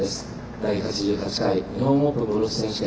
第８８回日本オープンゴルフ選手権